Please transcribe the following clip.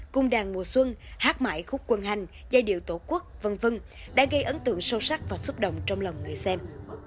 cung đàn mùa xuân hát mãi khúc quân hành giai điệu tổ quốc v v đã gây ấn tượng sâu sắc và xúc động trong lòng người xem